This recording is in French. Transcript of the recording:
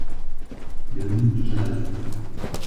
Mais le monde jase.